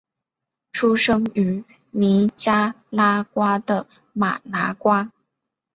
出生于尼加拉瓜的马拿瓜。